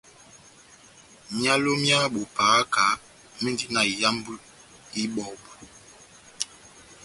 Myálo mya bo pahaka mendi na iyambi ibɔbu.